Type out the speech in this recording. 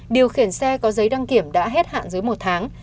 điều khiển xe có giấy đăng kiểm đã hết hạn dưới một tháng